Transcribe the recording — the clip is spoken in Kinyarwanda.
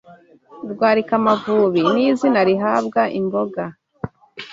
Rwarikamavubi n’ izina rihabwa imbogo